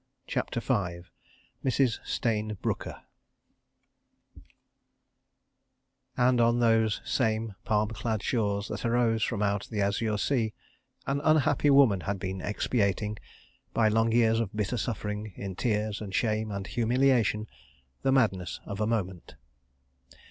CHAPTER V Mrs. Stayne Brooker And on those same palm clad shores that arose from out the azure sea, an unhappy woman had been expiating, by long years of bitter suffering, in tears and shame and humiliation, the madness of a moment.